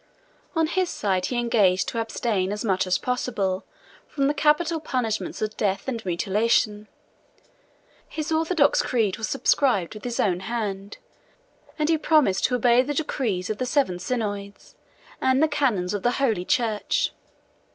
On his side he engaged to abstain as much as possible from the capital punishments of death and mutilation; his orthodox creed was subscribed with his own hand, and he promised to obey the decrees of the seven synods, and the canons of the holy church.